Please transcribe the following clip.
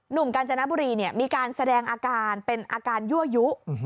กาญจนบุรีมีการแสดงอาการเป็นอาการยั่วยุ